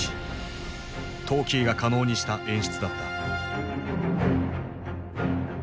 トーキーが可能にした演出だった。